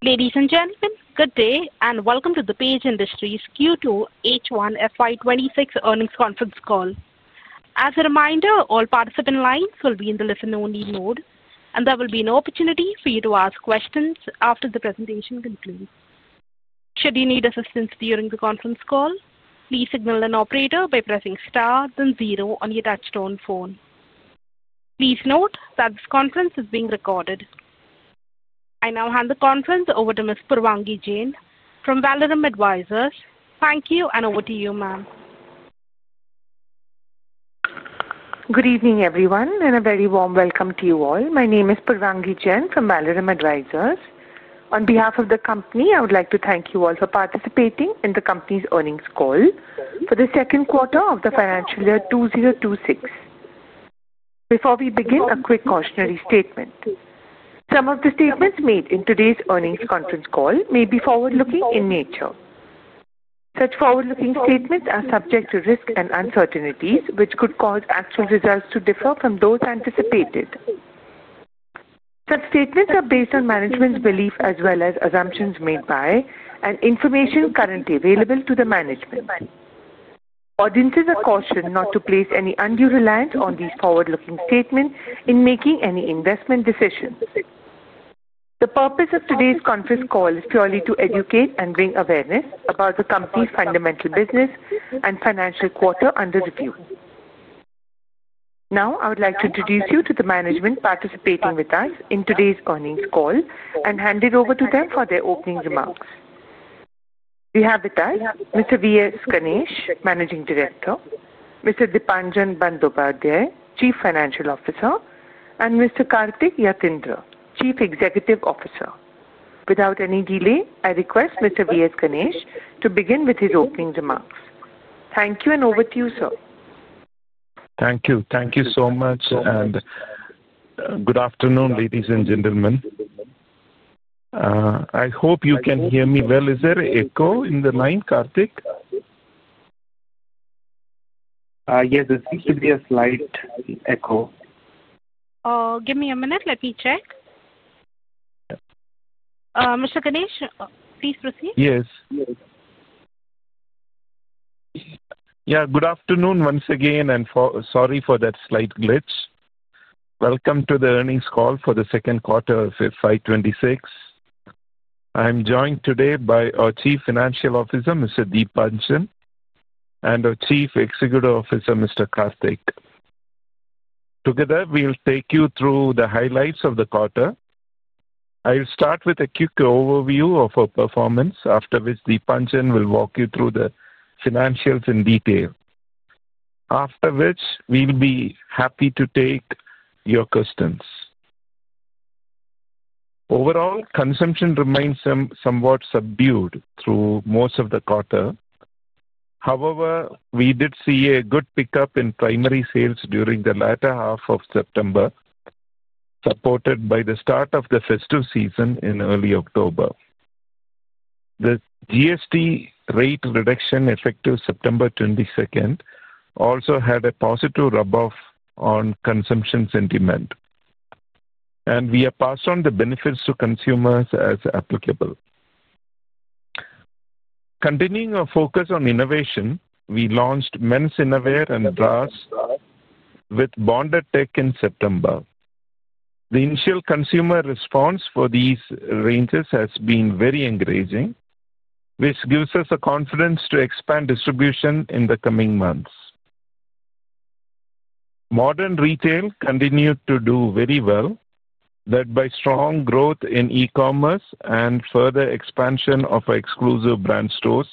Ladies and gentlemen, good day and welcome to the Page Industries Q2 H1 FY 2026 earnings conference call. As a reminder, all participants' lines will be in the listen-only mode, and there will be no opportunity for you to ask questions after the presentation concludes. Should you need assistance during the conference call, please signal an operator by pressing star then zero on your touch-tone phone. Please note that this conference is being recorded. I now hand the conference over to Ms. Purvangi Jain from Valerom Advisors. Thank you, and over to you, ma'am. Good evening, everyone, and a very warm welcome to you all. My name is Purvangi Jain from Valerom Advisors. On behalf of the company, I would like to thank you all for participating in the company's earnings call for the second quarter of the financial year 2026. Before we begin, a quick cautionary statement. Some of the statements made in today's earnings conference call may be forward-looking in nature. Such forward-looking statements are subject to risk and uncertainties, which could cause actual results to differ from those anticipated. Such statements are based on management's belief as well as assumptions made by and information currently available to the management. Audiences are cautioned not to place any undue reliance on these forward-looking statements in making any investment decisions. The purpose of today's conference call is purely to educate and bring awareness about the company's fundamental business and financial quarter under review. Now, I would like to introduce you to the management participating with us in today's earnings call and hand it over to them for their opening remarks. We have with us Mr. V S Ganesh, Managing Director; Mr. Deepanjan Bandyopadhyay, Chief Financial Officer; and Mr. Karthik Yathindra, Chief Executive Officer. Without any delay, I request Mr. V S Ganesh to begin with his opening remarks. Thank you, and over to you, sir. Thank you. Thank you so much, and good afternoon, ladies and gentlemen. I hope you can hear me well. Is there an echo in the line, Karthik? Yes, there seems to be a slight echo. Oh, give me a minute. Let me check. Mr. Ganesh, please proceed. Yes. Yeah, good afternoon once again, and sorry for that slight glitch. Welcome to the earnings call for the second quarter of FY 2026. I'm joined today by our Chief Financial Officer, Mr. Deepanjan, and our Chief Executive Officer, Mr. Karthik. Together, we'll take you through the highlights of the quarter. I'll start with a quick overview of our performance, after which Deepanjan will walk you through the financials in detail. After which, we'll be happy to take your questions. Overall, consumption remained somewhat subdued through most of the quarter. However, we did see a good pickup in primary sales during the latter half of September, supported by the start of the festive season in early October. The GST rate reduction effective September 22nd also had a positive rub-off on consumption sentiment, and we have passed on the benefits to consumers as applicable. Continuing our focus on innovation, we launched men's innerwear and bras with Bonded Tech in September. The initial consumer response for these ranges has been very encouraging, which gives us the confidence to expand distribution in the coming months. Modern retail continued to do very well, led by strong growth in e-commerce and further expansion of exclusive brand stores,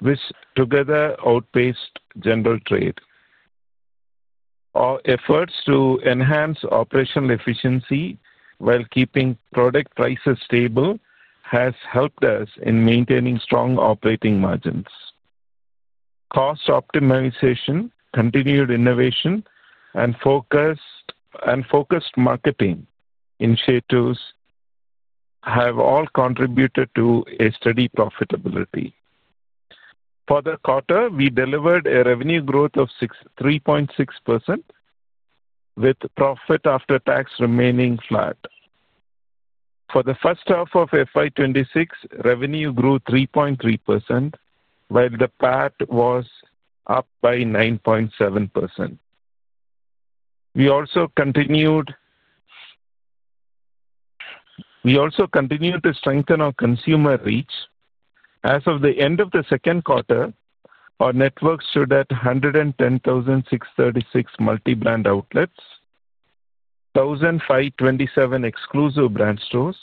which together outpaced general trade. Our efforts to enhance operational efficiency while keeping product prices stable have helped us in maintaining strong operating margins. Cost optimization, continued innovation, and focused marketing initiatives have all contributed to steady profitability. For the quarter, we delivered a revenue growth of 3.6%, with profit after tax remaining flat. For the first half of FY 2026, revenue grew 3.3%, while the PAT was up by 9.7%. We also continued to strengthen our consumer reach. As of the end of the second quarter, our network stood at 110,636 multi-brand outlets, 1,527 exclusive brand stores,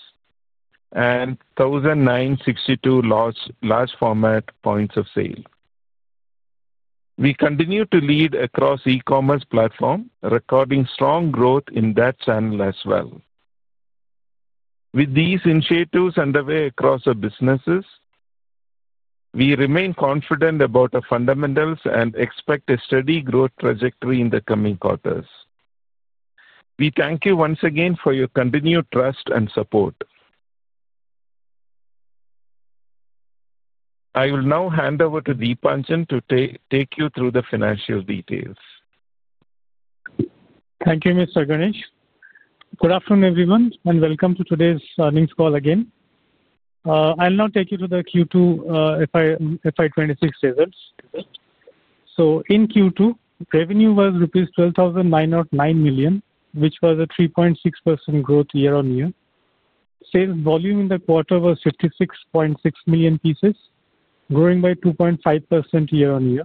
and 1,962 large-format points of sale. We continue to lead across e-commerce platforms, recording strong growth in that channel as well. With these initiatives underway across our businesses, we remain confident about our fundamentals and expect a steady growth trajectory in the coming quarters. We thank you once again for your continued trust and support. I will now hand over to Deepanjan to take you through the financial details. Thank you, Mr. Ganesh. Good afternoon, everyone, and welcome to today's earnings call again. I'll now take you to the Q2 FY 2026 results. In Q2, revenue was rupees 12,909 million, which was a 3.6% growth year-on-year. Sales volume in the quarter was 56.6 million pieces, growing by 2.5% year-on-year.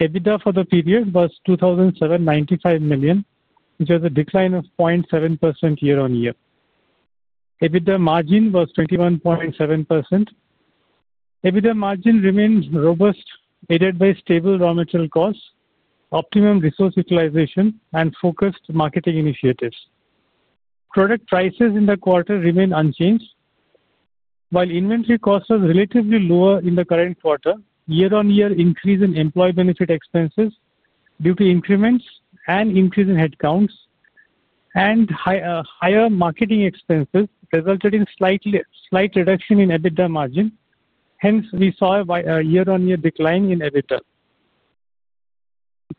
EBITDA for the period was 2,795 million, which was a decline of 0.7% year-on-year. EBITDA margin was 21.7%. EBITDA margin remained robust, aided by stable raw material costs, optimum resource utilization, and focused marketing initiatives. Product prices in the quarter remained unchanged, while inventory costs were relatively lower in the current quarter. Year-on-year increase in employee benefit expenses due to increments and increase in headcounts and higher marketing expenses resulted in slight reduction in EBITDA margin. Hence, we saw a year-on-year decline in EBITDA.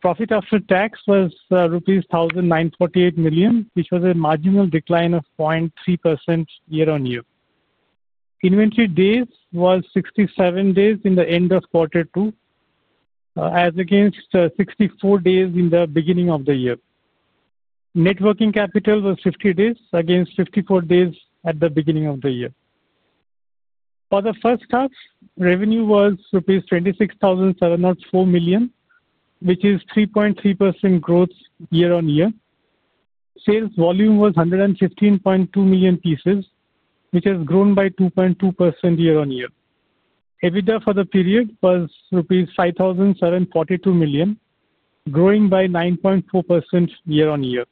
Profit after tax was rupees 1,948 million, which was a marginal decline of 0.3% year-on-year. Inventory days were 67 days in the end of quarter two, as against 64 days in the beginning of the year. Net working capital was 50 days, against 54 days at the beginning of the year. For the first half, revenue was rupees 26,704 million, which is 3.3% growth year-on-year. Sales volume was 115.2 million pieces, which has grown by 2.2% year-on-year. EBITDA for the period was rupees 5,742 million, growing by 9.4% year-on-year.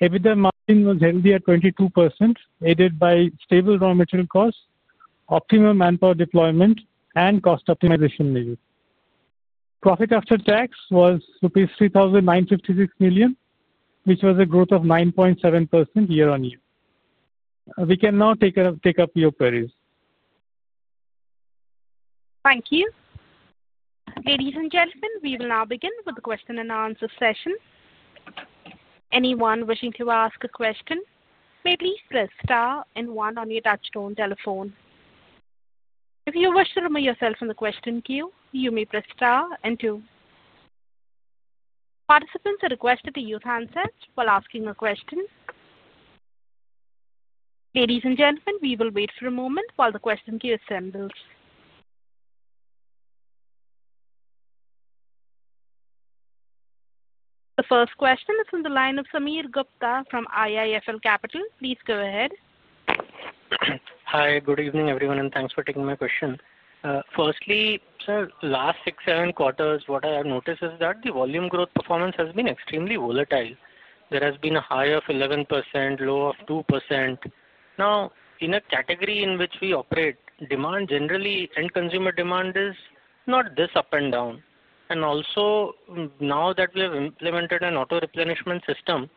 EBITDA margin was healthy at 22%, aided by stable raw material costs, optimum manpower deployment, and cost optimization needed. Profit after tax was rupees 3,956 million, which was a growth of 9.7% year-on-year. We can now take up your queries. Thank you. Ladies and gentlemen, we will now begin with the question-and-answer session. Anyone wishing to ask a question may please press star and one on your touchstone telephone. If you wish to remain yourself in the question queue, you may press star and two. Participants are requested to use handsets while asking a question. Ladies and gentlemen, we will wait for a moment while the question queue assembles. The first question is from the line of Sameer Gupta from IIFL Capital. Please go ahead. Hi, good evening, everyone, and thanks for taking my question. Firstly, sir, last six, seven quarters, what I have noticed is that the volume growth performance has been extremely volatile. There has been a high of 11%, low of 2%. Now, in a category in which we operate, demand generally and consumer demand is not this up and down. Also, now that we have implemented an auto replenishment system,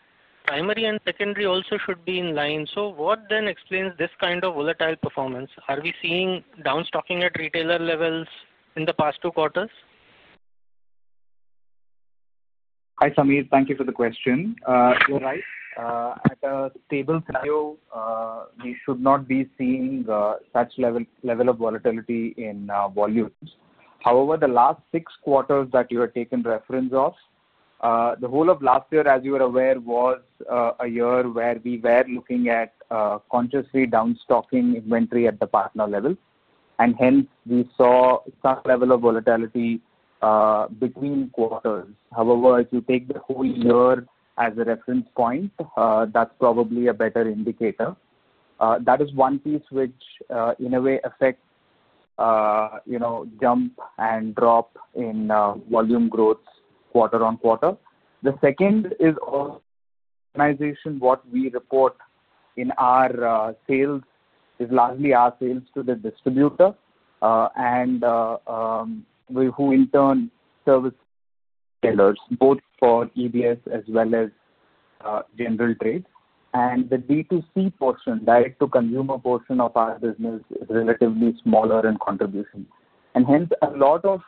primary and secondary also should be in line. What then explains this kind of volatile performance? Are we seeing downstocking at retailer levels in the past two quarters? Hi, Sameer. Thank you for the question. You're right. At a stable value, we should not be seeing such level of volatility in volumes. However, the last six quarters that you have taken reference of, the whole of last year, as you are aware, was a year where we were looking at consciously downstocking inventory at the partner level. Hence, we saw some level of volatility between quarters. However, if you take the whole year as a reference point, that's probably a better indicator. That is one piece which, in a way, affects jump and drop in volume growth quarter on quarter. The second is organization, what we report in our sales is largely our sales to the distributor, and we, who in turn, service sellers, both for EBOs as well as general trade. The B2C portion, direct-to-consumer portion of our business, is relatively smaller in contribution. A lot of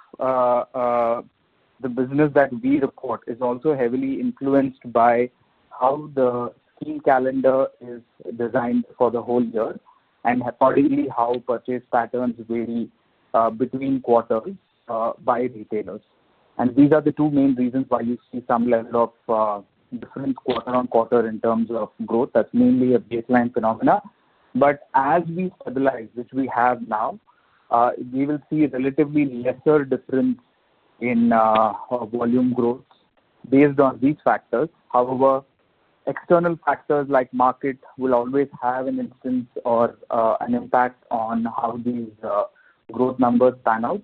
the business that we report is also heavily influenced by how the scheme calendar is designed for the whole year and accordingly how purchase patterns vary between quarters by retailers. These are the two main reasons why you see some level of difference quarter on quarter in terms of growth. That is mainly a baseline phenomena. As we stabilize, which we have now, we will see relatively lesser difference in volume growth based on these factors. However, external factors like market will always have an influence or an impact on how these growth numbers pan out.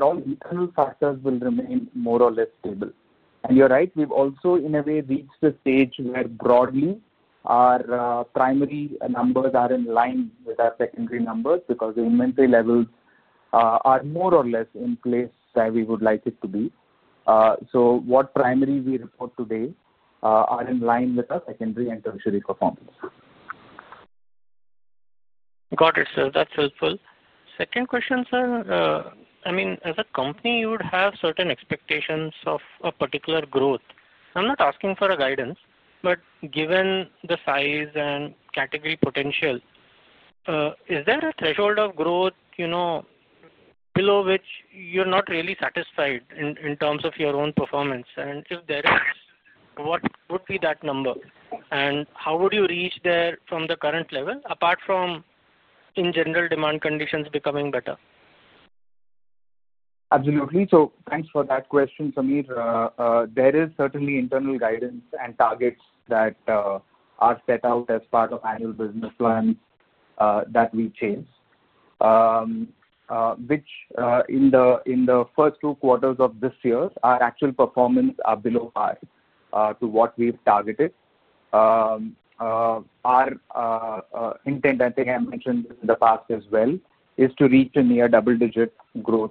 All internal factors will remain more or less stable. You're right, we've also, in a way, reached the stage where broadly our primary numbers are in line with our secondary numbers because the inventory levels are more or less in place as we would like it to be. What primary we report today are in line with our secondary and tertiary performance. Got it, sir. That's helpful. Second question, sir, I mean, as a company, you would have certain expectations of a particular growth. I'm not asking for guidance, but given the size and category potential, is there a threshold of growth below which you're not really satisfied in terms of your own performance? If there is, what would be that number? How would you reach there from the current level, apart from in general demand conditions becoming better? Absolutely. Thanks for that question, Sameer. There is certainly internal guidance and targets that are set out as part of annual business plans that we chase, which in the first two quarters of this year, our actual performance is below par to what we've targeted. Our intent, I think I mentioned in the past as well, is to reach a near double-digit growth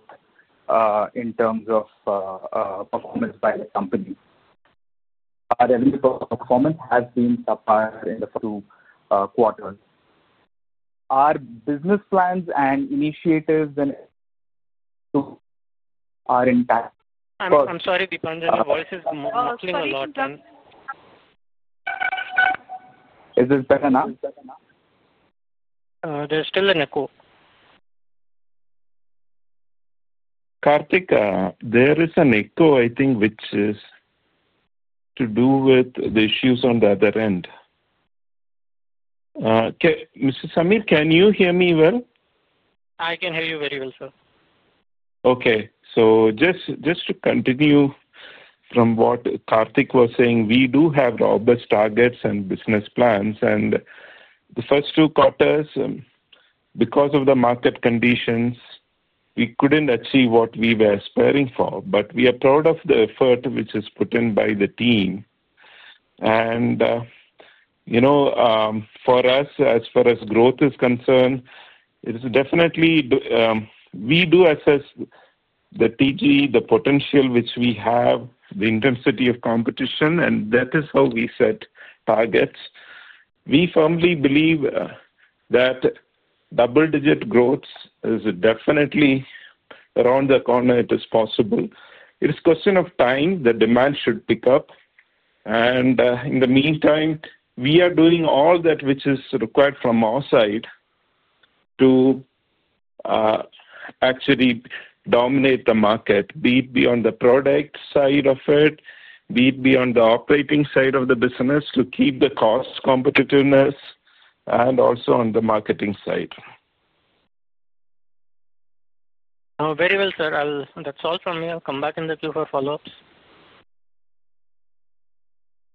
in terms of performance by the company. Our performance has been subpar in the first two quarters. Our business plans and initiatives are intact. I'm sorry, Deepanjan, your voice is muffling a lot. Is this better now? There's still an echo. Karthik, there is an echo, I think, which is to do with the issues on the other end. Mr. Sameer, can you hear me well? I can hear you very well, sir. Okay. Just to continue from what Karthik was saying, we do have robust targets and business plans. The first two quarters, because of the market conditions, we could not achieve what we were aspiring for. We are proud of the effort which is put in by the team. For us, as far as growth is concerned, we do assess the TG, the potential which we have, the intensity of competition, and that is how we set targets. We firmly believe that double-digit growth is definitely around the corner. It is possible. It is a question of time. The demand should pick up. In the meantime, we are doing all that which is required from our side to actually dominate the market, be it beyond the product side of it, be it beyond the operating side of the business, to keep the cost competitiveness, and also on the marketing side. Very well, sir. That's all from me. I'll come back in the queue for follow-ups.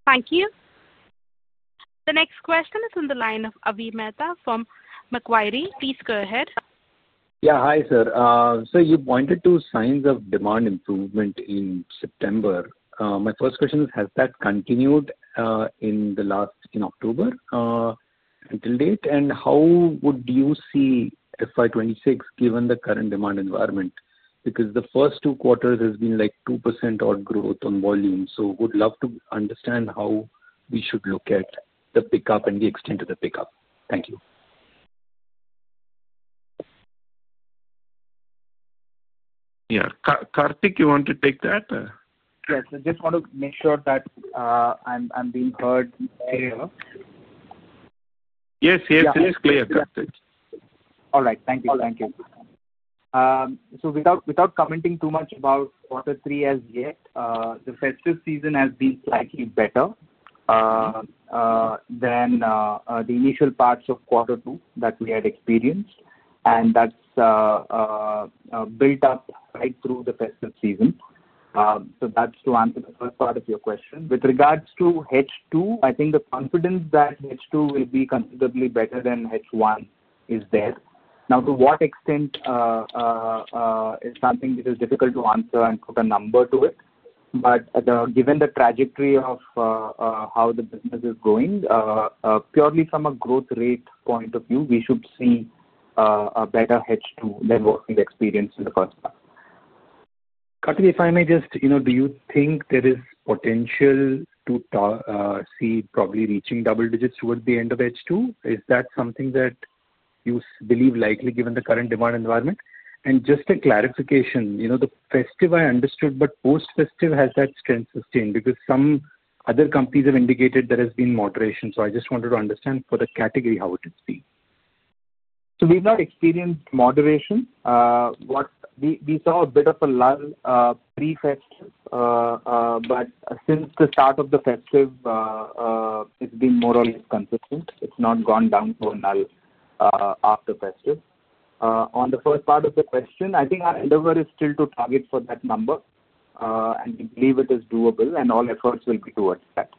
Thank you. The next question is on the line of Avi Mehta from Macquarie. Please go ahead. Yeah, hi, sir. You pointed to signs of demand improvement in September. My first question is, has that continued in October until date? How would you see FY 2026 given the current demand environment? Because the first two quarters has been like 2% odd growth on volume. Would love to understand how we should look at the pickup and the extent of the pickup. Thank you. Yeah. Karthik, you want to take that? Yes. I just want to make sure that I'm being heard clear. Yes, yes. It is clear, Karthik. All right. Thank you. Thank you. Without commenting too much about quarter three as yet, the festive season has been slightly better than the initial parts of quarter two that we had experienced. That has built up right through the festive season. That is to answer the first part of your question. With regards to H2, I think the confidence that H2 will be considerably better than H1 is there. Now, to what extent is something which is difficult to answer and put a number to? Given the trajectory of how the business is going, purely from a growth rate point of view, we should see a better H2 than what we have experienced in the first half. Karthik, if I may just, do you think there is potential to see probably reaching double digits towards the end of H2? Is that something that you believe likely given the current demand environment? Just a clarification, the festive, I understood, but post-festive, has that strength sustained? Because some other companies have indicated there has been moderation. I just wanted to understand for the category how it has been. We have not experienced moderation. We saw a bit of a lull pre-festive, but since the start of the festive, it has been more or less consistent. It has not gone down to a lull after festive. On the first part of the question, I think our headover is still to target for that number, and we believe it is doable, and all efforts will be towards that.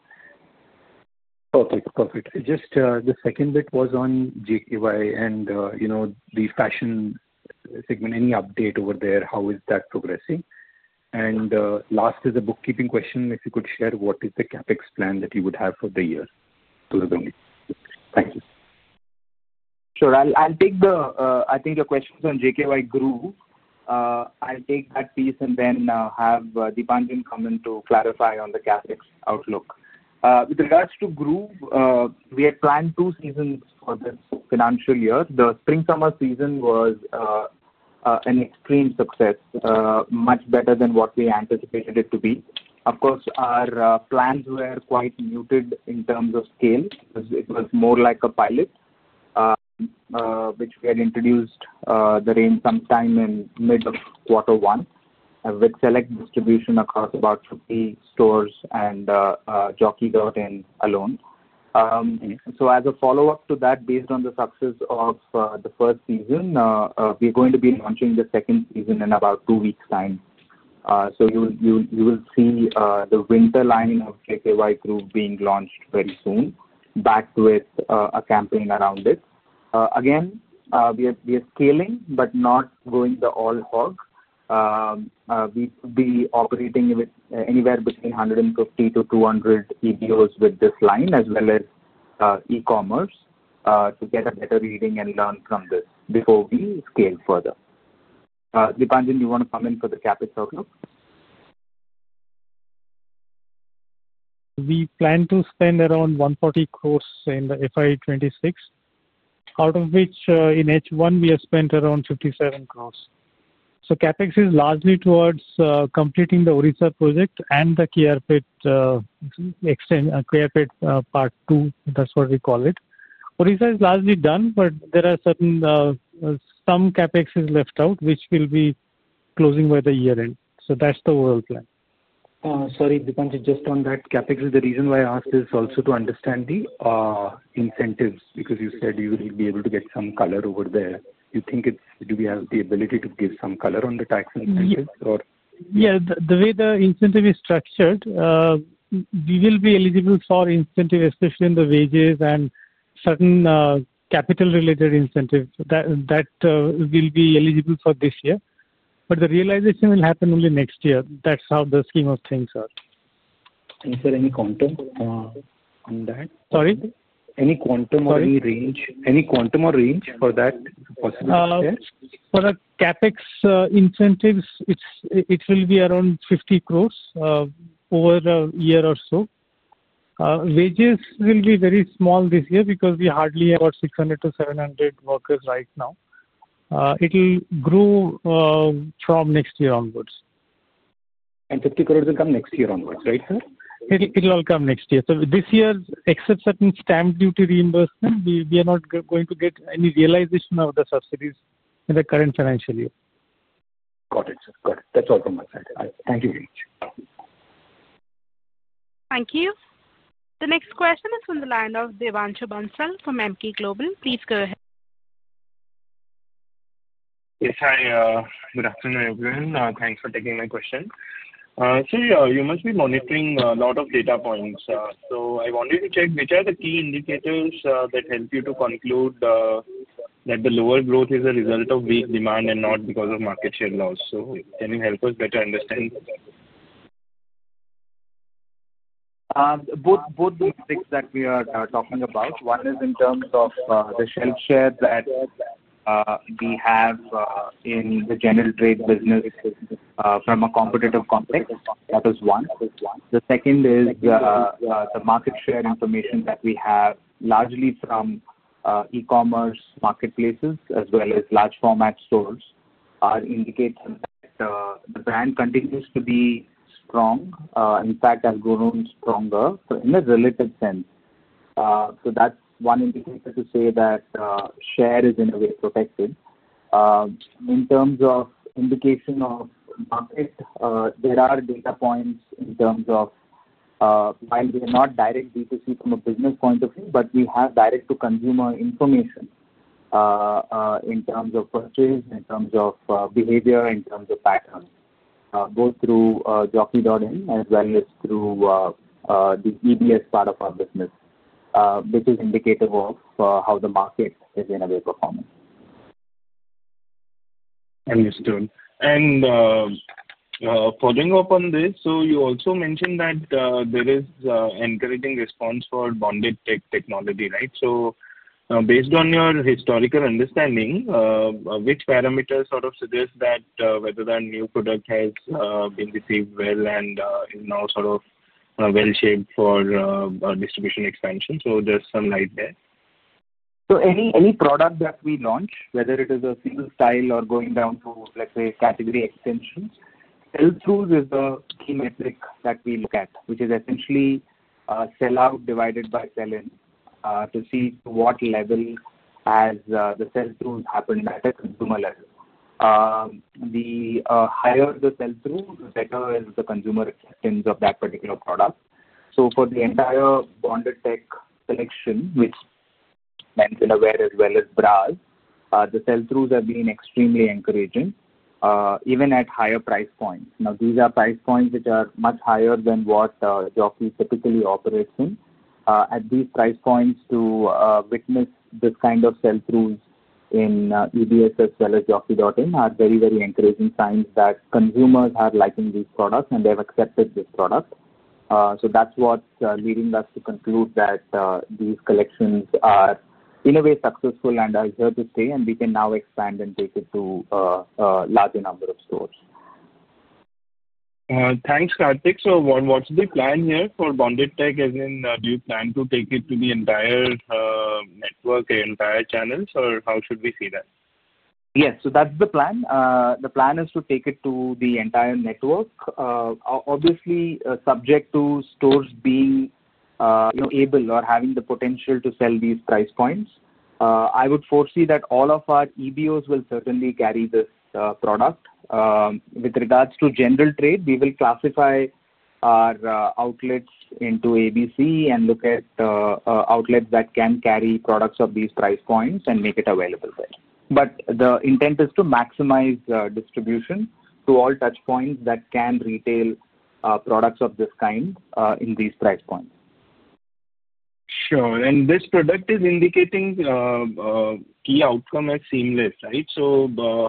Perfect. Perfect. Just the second bit was on GKY and the fashion segment. Any update over there? How is that progressing? Last is a bookkeeping question. If you could share, what is the CapEx plan that you would have for the year? Thank you. Sure. I'll take the, I think your question is on Groove. I'll take that piece and then have Deepanjan come in to clarify on the CapEx outlook. With regards to Groove, we had planned two seasons for this financial year. The spring-summer season was an extreme success, much better than what we anticipated it to be. Of course, our plans were quite muted in terms of scale. It was more like a pilot, which we had introduced therein sometime in mid-quarter one with select distribution across about 50 stores and Jockey Jordan alone. As a follow-up to that, based on the success of the first season, we're going to be launching the second season in about two weeks' time. You will see the winter line of Groove being launched very soon, backed with a campaign around it. Again, we are scaling, but not going the all hog. We'll be operating anywhere between 150-200 EBOs with this line, as well as e-commerce, to get a better reading and learn from this before we scale further. Deepanjan, you want to come in for the CapEx outlook? We plan to spend around 140 crore in FY 2026, out of which in H1, we have spent around 57 crore. CapEx is largely towards completing the Odisha project and the KRPED part two. That is what we call it. Odisha is largely done, but there is some CapEx left out, which will be closing by the year end. That is the overall plan. Sorry, Deepanjan, just on that CapEx, the reason why I asked is also to understand the incentives because you said you will be able to get some color over there. Do you think we have the ability to give some color on the tax incentives or? Yeah. The way the incentive is structured, we will be eligible for incentive, especially in the wages and certain capital-related incentives. That will be eligible for this year. The realization will happen only next year. That's how the scheme of things are. Is there any quantum on that? Sorry? Any quantum or any range for that possibility there? For the CapEx incentives, it will be around 50 crore over a year or so. Wages will be very small this year because we hardly have about 600-700 workers right now. It will grow from next year onwards. Fifty crore will come next year onwards, right, sir? It will come next year. This year, except certain stamp duty reimbursement, we are not going to get any realization of the subsidies in the current financial year. Got it. Got it. That's all from my side. Thank you very much. Thank you. The next question is from the line of Devanshu Bansal from Emkay Global. Please go ahead. Yes, hi. Good afternoon, everyone. Thanks for taking my question. You must be monitoring a lot of data points. I wanted to check which are the key indicators that help you to conclude that the lower growth is a result of weak demand and not because of market share loss? Can you help us better understand? Both the metrics that we are talking about. One is in terms of the share that we have in the general trade business from a competitive context. That is one. The second is the market share information that we have, largely from e-commerce marketplaces as well as large-format stores, indicates that the brand continues to be strong. In fact, has grown stronger in the relative sense. That is one indicator to say that share is in a way protected. In terms of indication of market, there are data points in terms of while we are not direct B2C from a business point of view, but we have direct-to-consumer information in terms of purchase, in terms of behavior, in terms of patterns, both through Jockey Jordan as well as through the EBO part of our business, which is an indicator of how the market is in a way performing. Understood. Following up on this, you also mentioned that there is an encouraging response for Bonded Tech technology, right? Based on your historical understanding, which parameters sort of suggest that whether that new product has been received well and is now sort of well-shaped for distribution expansion? There is some light there. Any product that we launch, whether it is a single style or going down to, let's say, category extension, sales through is a key metric that we look at, which is essentially sell-out divided by sell-in to see to what level has the sales through happened at the consumer level. The higher the sales through, the better is the consumer experience of that particular product. For the entire Bonded Tech selection, which means in a way as well as Brass, the sales throughs have been extremely encouraging, even at higher price points. Now, these are price points which are much higher than what Jockey typically operates in. At these price points, to witness this kind of sales throughs in EBOs as well as Jockey Jordan are very, very encouraging signs that consumers are liking these products and they have accepted this product. That's what's leading us to conclude that these collections are in a way successful and are here to stay, and we can now expand and take it to a larger number of stores. Thanks, Karthik. So what's the plan here for Bonded Tech? As in, do you plan to take it to the entire network, entire channels, or how should we see that? Yes. So that's the plan. The plan is to take it to the entire network, obviously subject to stores being able or having the potential to sell these price points. I would foresee that all of our EBOs will certainly carry this product. With regards to general trade, we will classify our outlets into A, B, C, and look at outlets that can carry products of these price points and make it available there. The intent is to maximize distribution to all touch points that can retail products of this kind in these price points. Sure. This product is indicating key outcome as seamless, right?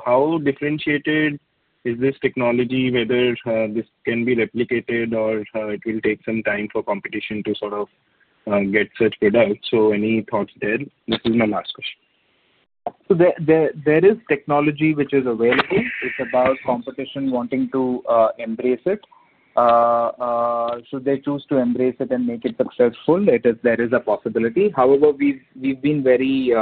How differentiated is this technology, whether this can be replicated or it will take some time for competition to sort of get such products? Any thoughts there? This is my last question. There is technology which is available. It's about competition wanting to embrace it. Should they choose to embrace it and make it successful, there is a possibility. However, we've been very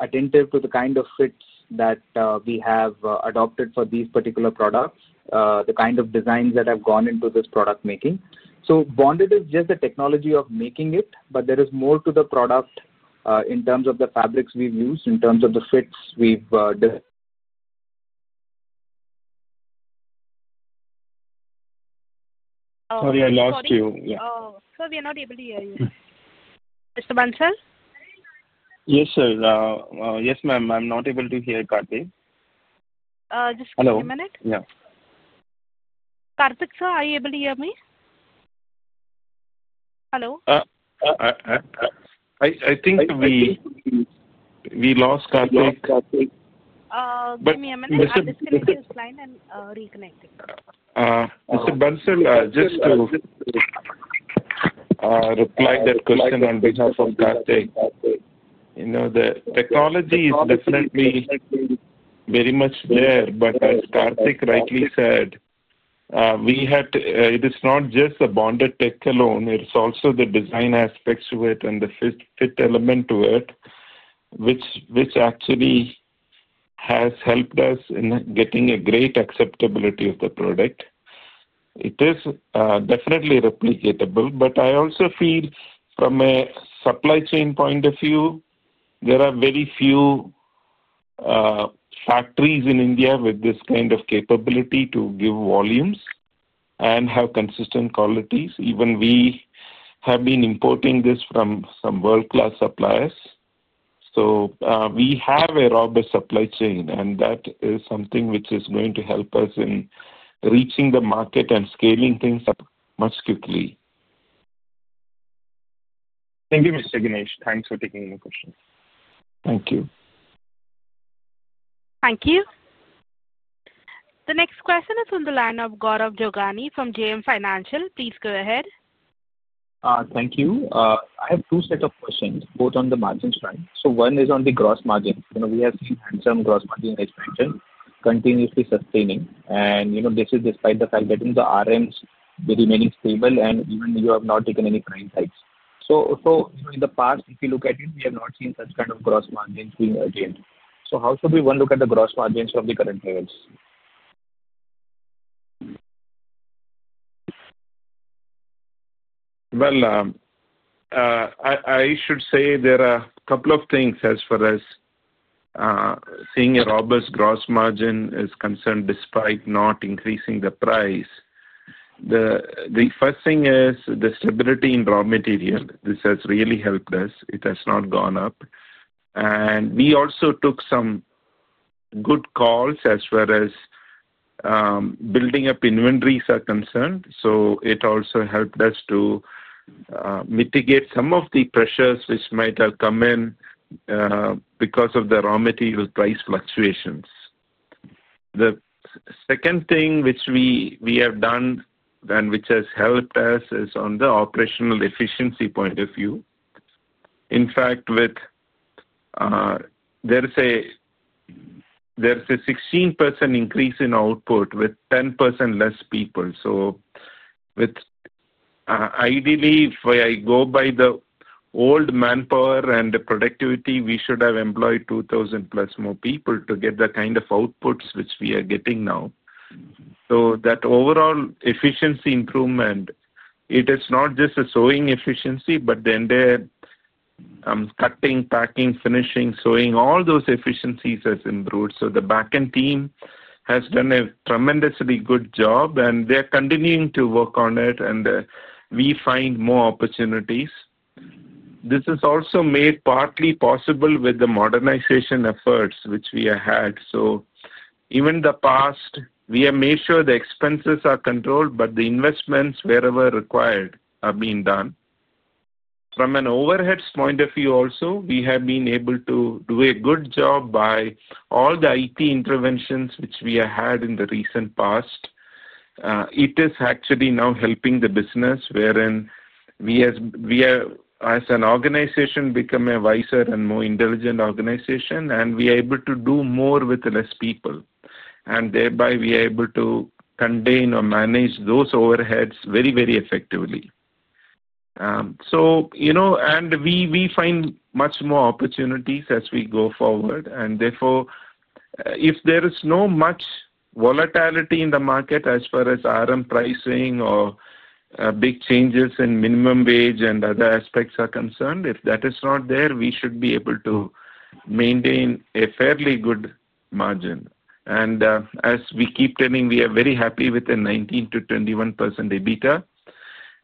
attentive to the kind of fits that we have adopted for these particular products, the kind of designs that have gone into this product making. Bonded is just the technology of making it, but there is more to the product in terms of the fabrics we've used, in terms of the fits we've done. Sorry, I lost you. Oh, sorry. We are not able to hear you. Mr. Bansal? Yes, sir. Yes, ma'am. I'm not able to hear Karthik. Just give me a minute. Hello. Karthik, sir, are you able to hear me? Hello? I think we lost Karthik. Give me a minute. I'm just going to see his line and reconnect it. Mr. Bansal, just to reply to that question on behalf of Karthik, the technology is definitely very much there, but as Karthik rightly said, it is not just the Bonded Tech alone. It's also the design aspects to it and the fit element to it, which actually has helped us in getting a great acceptability of the product. It is definitely replicatable, but I also feel from a supply chain point of view, there are very few factories in India with this kind of capability to give volumes and have consistent qualities. Even we have been importing this from some world-class suppliers. So we have a robust supply chain, and that is something which is going to help us in reaching the market and scaling things up much quickly. Thank you, Mr. Ganesh. Thanks for taking my question. Thank you. Thank you. The next question is from the line of Gaurav Jogani from JM Financial. Please go ahead. Thank you. I have two sets of questions, both on the margin side. One is on the gross margin. We have seen hands-on gross margin expansion continuously sustaining, and this is despite the fact that in the RMs, we are remaining stable, and even you have not taken any price hikes. In the past, if you look at it, we have not seen such kind of gross margins being maintained. How should we look at the gross margins from the current levels? There are a couple of things as far as seeing a robust gross margin is concerned despite not increasing the price. The first thing is the stability in raw material. This has really helped us. It has not gone up. We also took some good calls as far as building up inventories are concerned. It also helped us to mitigate some of the pressures which might have come in because of the raw material price fluctuations. The second thing which we have done and which has helped us is on the operational efficiency point of view. In fact, there is a 16% increase in output with 10% less people. Ideally, if I go by the old manpower and the productivity, we should have employed 2,000 plus more people to get the kind of outputs which we are getting now. That overall efficiency improvement, it is not just a sewing efficiency, but then there is cutting, packing, finishing, sewing. All those efficiencies have improved. The backend team has done a tremendously good job, and they are continuing to work on it, and we find more opportunities. This is also made partly possible with the modernization efforts which we have had. Even in the past, we have made sure the expenses are controlled, but the investments wherever required have been done. From an overheads point of view also, we have been able to do a good job by all the IT interventions which we have had in the recent past. It is actually now helping the business, wherein we have, as an organization, become a wiser and more intelligent organization, and we are able to do more with less people. Thereby, we are able to contain or manage those overheads very, very effectively. We find much more opportunities as we go forward. Therefore, if there is not much volatility in the market as far as RM pricing or big changes in minimum wage and other aspects are concerned, if that is not there, we should be able to maintain a fairly good margin. As we keep turning, we are very happy with the 19%-21%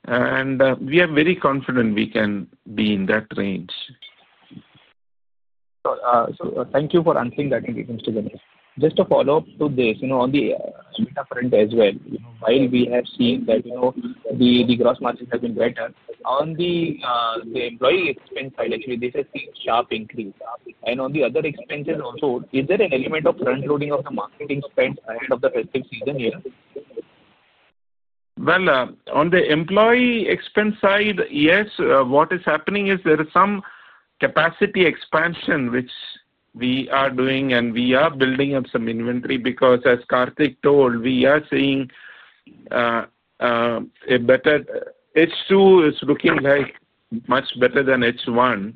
EBITDA. We are very confident we can be in that range. Thank you for answering that, Mr. Ganesh. Just a follow-up to this. On the data front as well, while we have seen that the gross margins have been better, on the employee expense side, actually, this has seen a sharp increase. On the other expenses also, is there an element of front-loading of the marketing spend ahead of the festive season here? On the employee expense side, yes. What is happening is there is some capacity expansion which we are doing, and we are building up some inventory because, as Karthik told, we are seeing a better H2 is looking much better than H1.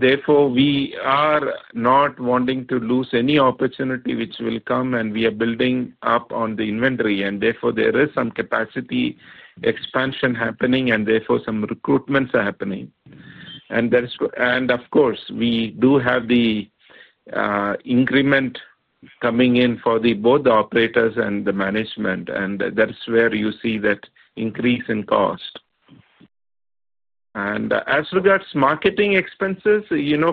Therefore, we are not wanting to lose any opportunity which will come, and we are building up on the inventory. Therefore, there is some capacity expansion happening, and therefore, some recruitments are happening. Of course, we do have the increment coming in for both the operators and the management, and that is where you see that increase in cost. As regards marketing expenses,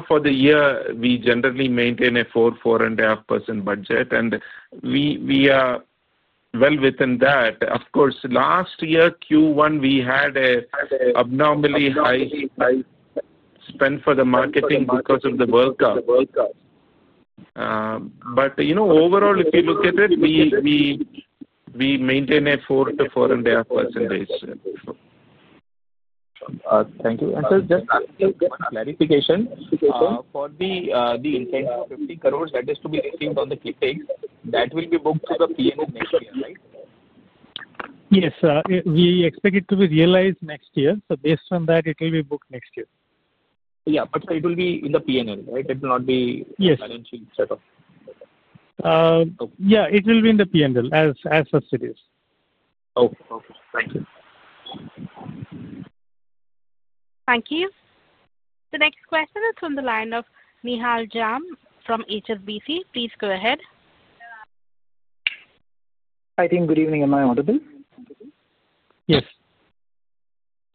for the year, we generally maintain a 4-4.5% budget, and we are well within that. Of course, last year, Q1, we had an abnormally high spend for the marketing because of the workup. Overall, if you look at it, we maintain a 4-4.5%. Thank you. Just one clarification. For the incentive of 50 crore that is to be received on the clippings, that will be booked to the P&L next year, right? Yes. We expect it to be realized next year. Based on that, it will be booked next year. Yeah. But it will be in the P&L, right? It will not be financially set up? Yeah. It will be in the P&L as such. Okay. Okay. Thank you. Thank you. The next question is from the line of Nihal Jham from HSBC. Please go ahead. Hi, team. Good evening. Am I audible? Yes.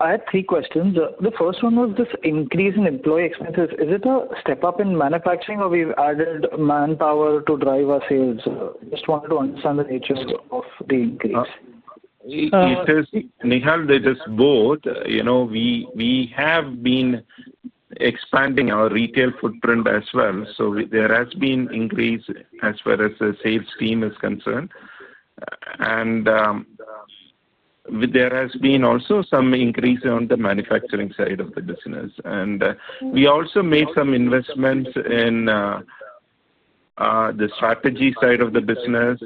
I had three questions. The first one was this increase in employee expenses. Is it a step-up in manufacturing, or we've added manpower to drive our sales? Just wanted to understand the nature of the increase. Nihal, that is both. We have been expanding our retail footprint as well. There has been increase as far as the sales team is concerned. There has been also some increase on the manufacturing side of the business. We also made some investments in the strategy side of the business.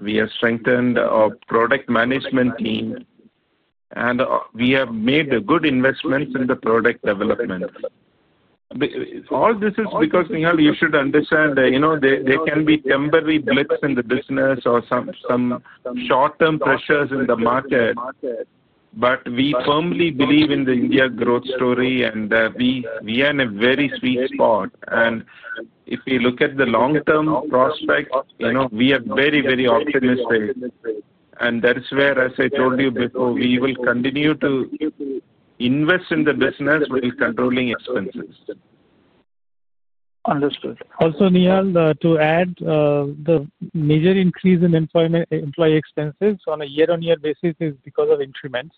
We have strengthened our product management team, and we have made good investments in the product development. All this is because, Nihal, you should understand there can be temporary blips in the business or some short-term pressures in the market. We firmly believe in the India growth story, and we are in a very sweet spot. If you look at the long-term prospects, we are very, very optimistic. That is where, as I told you before, we will continue to invest in the business while controlling expenses. Understood. Also, Nihal, to add, the major increase in employee expenses on a year-on-year basis is because of increments.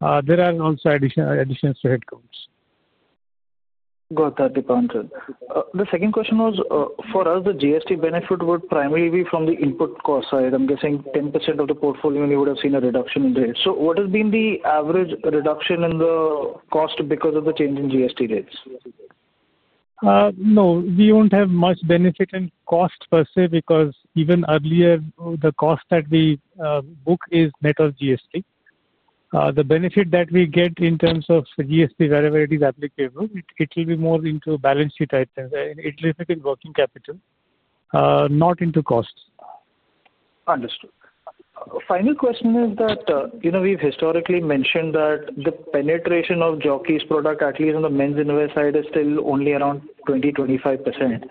There are also additions to headcounts. Got that. The second question was, for us, the GST benefit would primarily be from the input cost side. I'm guessing 10% of the portfolio, you would have seen a reduction in rates. So what has been the average reduction in the cost because of the change in GST rates? No. We won't have much benefit in cost per se because even earlier, the cost that we book is net of GST. The benefit that we get in terms of GST, wherever it is applicable, it will be more into balance sheet items and it will be working capital, not into costs. Understood. Final question is that we've historically mentioned that the penetration of Jockey's product, at least on the men's innerwear side, is still only around 20-25%.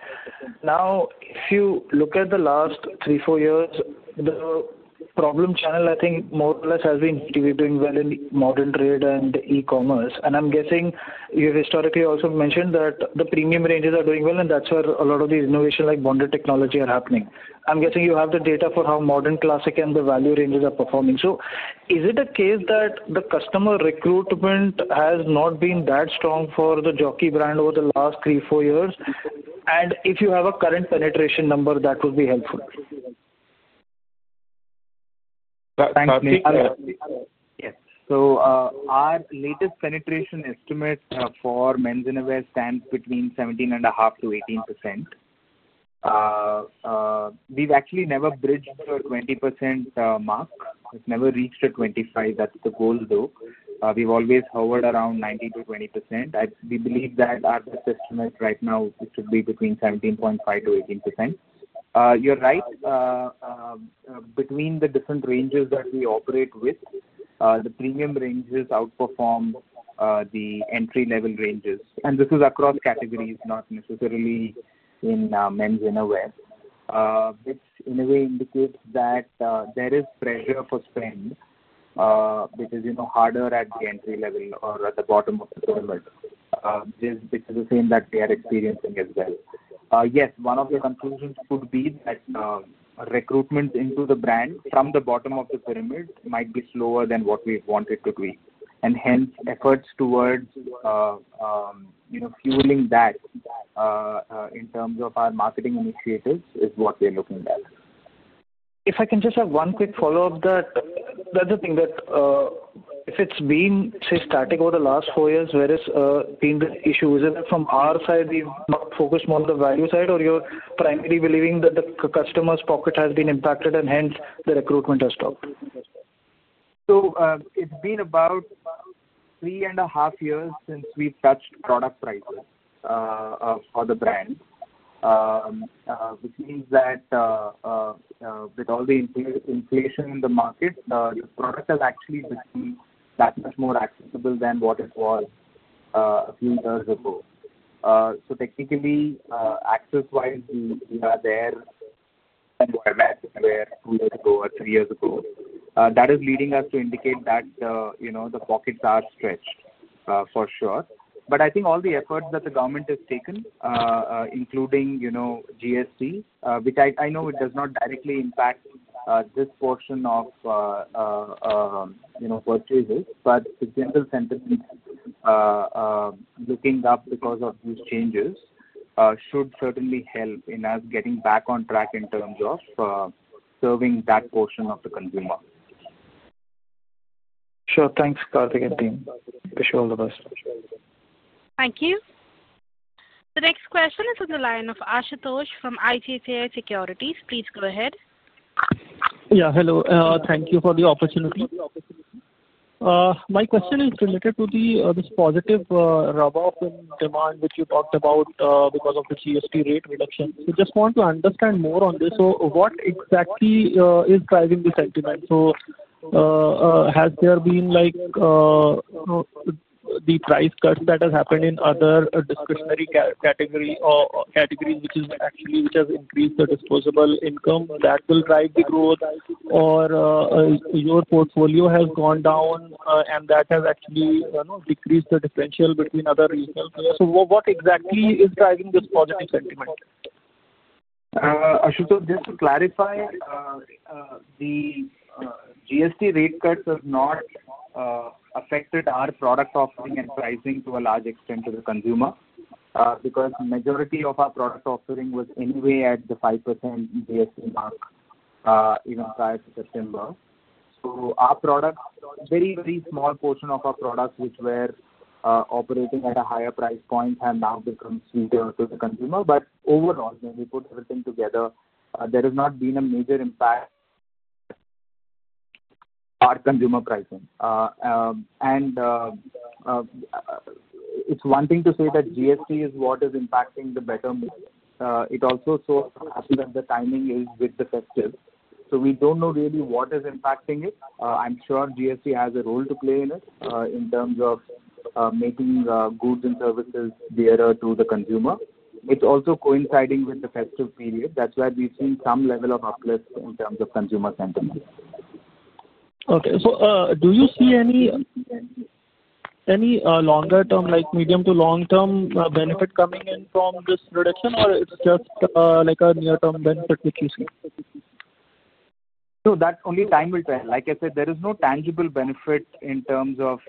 Now, if you look at the last three, four years, the problem channel, I think, more or less has been doing well in modern trade and e-commerce. I'm guessing you've historically also mentioned that the premium ranges are doing well, and that's where a lot of the innovation like bonded technology are happening. I'm guessing you have the data for how modern, classic, and the value ranges are performing. Is it a case that the customer recruitment has not been that strong for the Jockey brand over the last three, four years? If you have a current penetration number, that would be helpful. Thank you. Yes. Our latest penetration estimate for men's innerwear stands between 17.5-18%. We've actually never bridged the 20% mark. It's never reached 25%. That's the goal, though. We've always hovered around 19-20%. We believe that our best estimate right now should be between 17.5-18%. You're right. Between the different ranges that we operate with, the premium ranges outperform the entry-level ranges. This is across categories, not necessarily in men's innerwear. This, in a way, indicates that there is pressure for spend. It is harder at the entry level or at the bottom of the pyramid, which is the same that we are experiencing as well. Yes, one of the conclusions could be that recruitment into the brand from the bottom of the pyramid might be slower than what we want it to be. Hence, efforts towards fueling that in terms of our marketing initiatives is what we're looking at. If I can just have one quick follow-up, the other thing that if it's been, say, static over the last four years, where has been the issue? Is it from our side, we've not focused more on the value side, or you're primarily believing that the customer's pocket has been impacted and hence the recruitment has stopped? It's been about three and a half years since we've touched product prices for the brand, which means that with all the inflation in the market, the product has actually become that much more accessible than what it was a few years ago. Technically, access-wise, we are there where we were two years ago or three years ago. That is leading us to indicate that the pockets are stretched for sure. I think all the efforts that the government has taken, including GST, which I know it does not directly impact this portion of purchases, but the general sentiment looking up because of these changes should certainly help in us getting back on track in terms of serving that portion of the consumer. Sure. Thanks, Karthik and team. Appreciate all the best. Thank you. The next question is on the line of Ashutosh from ICICI Securities. Please go ahead. Yeah. Hello. Thank you for the opportunity. My question is related to this positive rub-off in demand which you talked about because of the GST rate reduction. Just want to understand more on this. What exactly is driving the sentiment? Has there been the price cuts that have happened in other discretionary categories which actually have increased the disposable income that will drive the growth, or your portfolio has gone down and that has actually decreased the differential between other regional players? What exactly is driving this positive sentiment? Ashutosh, just to clarify, the GST rate cuts have not affected our product offering and pricing to a large extent to the consumer because the majority of our product offering was anyway at the 5% GST mark prior to September. So our product, a very, very small portion of our products which were operating at a higher price point have now become cheaper to the consumer. Overall, when we put everything together, there has not been a major impact on consumer pricing. It's one thing to say that GST is what is impacting the better move. It also shows that the timing is with the festive. We do not know really what is impacting it. I'm sure GST has a role to play in it in terms of making goods and services better to the consumer. It's also coinciding with the festive period. That's why we've seen some level of uplift in terms of consumer sentiment. Okay. So do you see any longer-term, like medium to long-term benefit coming in from this reduction, or it's just a near-term benefit which you see? No, that only time will tell. Like I said, there is no tangible benefit in terms of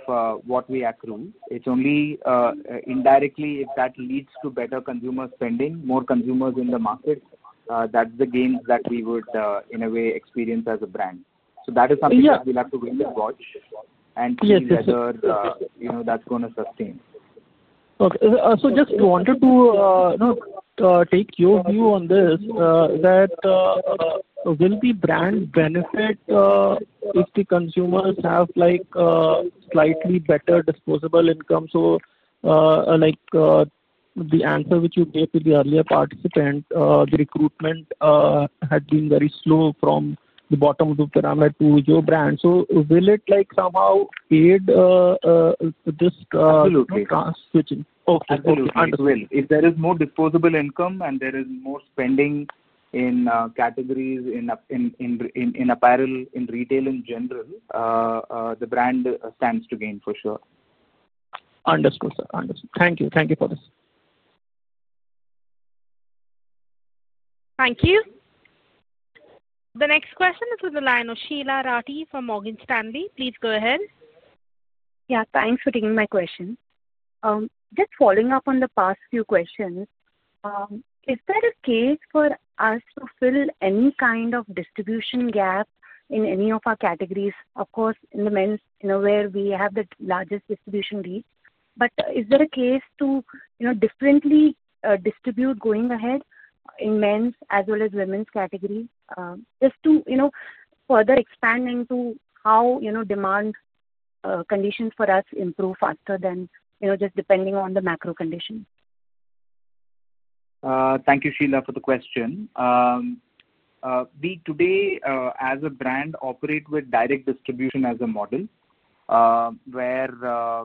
what we accrue. It's only indirectly if that leads to better consumer spending, more consumers in the market. That's the gains that we would, in a way, experience as a brand. That is something that we'll have to wait and watch and see whether that's going to sustain. Okay. So just wanted to take your view on this. Will the brand benefit if the consumers have slightly better disposable income? The answer which you gave to the earlier participant, the recruitment had been very slow from the bottom of the pyramid to your brand. Will it somehow aid this switching? Absolutely. Absolutely. It will. If there is more disposable income and there is more spending in categories in apparel, in retail in general, the brand stands to gain for sure. Understood, sir. Understood. Thank you. Thank you for this. Thank you. The next question is on the line of Sheela Rathi from Morgan Stanley. Please go ahead. Yeah. Thanks for taking my question. Just following up on the past few questions, is there a case for us to fill any kind of distribution gap in any of our categories? Of course, in the men's innerwear, we have the largest distribution reach. Is there a case to differently distribute going ahead in men's as well as women's categories just to further expand into how demand conditions for us improve faster than just depending on the macro conditions? Thank you, Sheela, for the question. Today, as a brand, we operate with direct distribution as a model where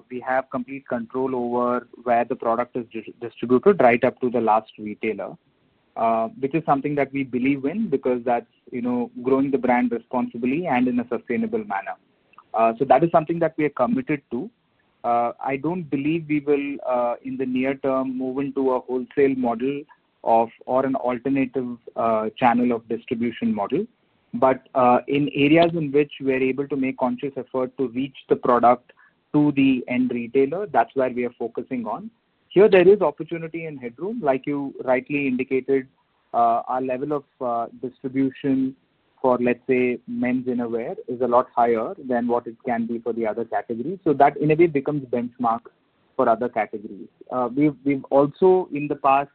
we have complete control over where the product is distributed right up to the last retailer, which is something that we believe in because that is growing the brand responsibly and in a sustainable manner. That is something that we are committed to. I do not believe we will, in the near term, move into a wholesale model or an alternative channel of distribution model. In areas in which we are able to make conscious effort to reach the product to the end retailer, that is where we are focusing on. Here, there is opportunity and headroom. Like you rightly indicated, our level of distribution for, let's say, men's innerwear is a lot higher than what it can be for the other categories. That, in a way, becomes benchmark for other categories. We've also, in the past,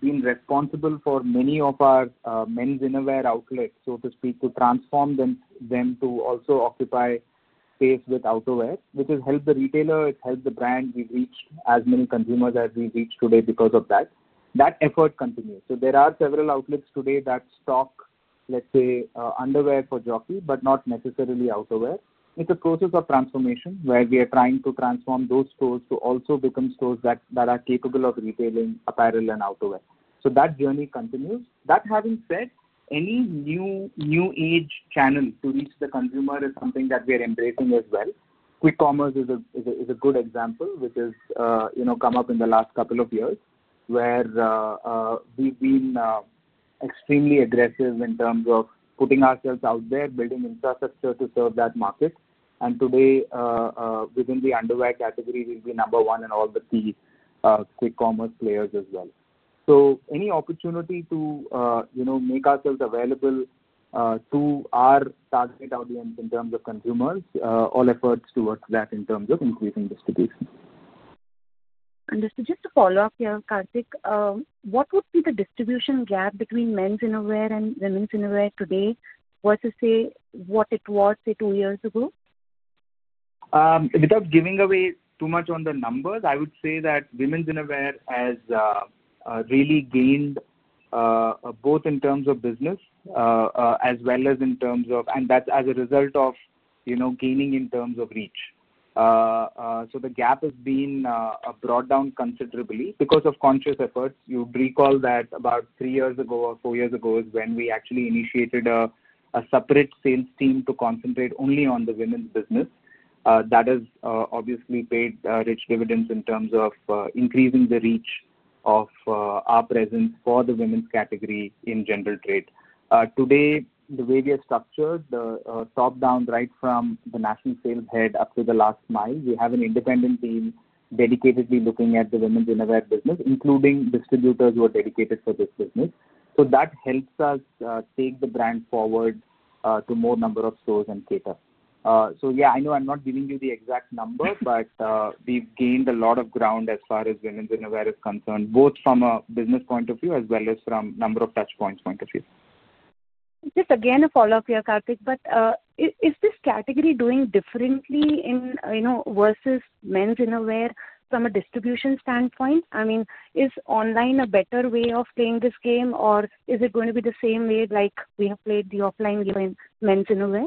been responsible for many of our men's innerwear outlets, so to speak, to transform them to also occupy space with outerwear, which has helped the retailer. It's helped the brand. We've reached as many consumers as we reach today because of that. That effort continues. There are several outlets today that stock, let's say, underwear for Jockey, but not necessarily outerwear. It's a process of transformation where we are trying to transform those stores to also become stores that are capable of retailing apparel and outerwear. That journey continues. That having said, any new age channel to reach the consumer is something that we are embracing as well. Quick Commerce is a good example, which has come up in the last couple of years where we've been extremely aggressive in terms of putting ourselves out there, building infrastructure to serve that market. Today, within the underwear category, we will be number one in all the key Quick Commerce players as well. Any opportunity to make ourselves available to our target audience in terms of consumers, all efforts towards that in terms of increasing distribution. Understood. Just to follow up here, Karthik, what would be the distribution gap between men's innerwear and women's innerwear today versus, say, what it was, say, two years ago? Without giving away too much on the numbers, I would say that women's innerwear has really gained both in terms of business as well as in terms of, and that's as a result of gaining in terms of reach. The gap has been brought down considerably because of conscious efforts. You recall that about three years ago or four years ago is when we actually initiated a separate sales team to concentrate only on the women's business. That has obviously paid rich dividends in terms of increasing the reach of our presence for the women's category in general trade. Today, the way we are structured, the top down right from the national sales head up to the last mile, we have an independent team dedicatedly looking at the women's innerwear business, including distributors who are dedicated for this business. That helps us take the brand forward to more number of stores and cater. Yeah, I know I'm not giving you the exact number, but we've gained a lot of ground as far as women's innerwear is concerned, both from a business point of view as well as from a number of touch points point of view. Just again, a follow-up here, Karthik, but is this category doing differently versus men's innerwear from a distribution standpoint? I mean, is online a better way of playing this game, or is it going to be the same way like we have played the offline game in men's innerwear?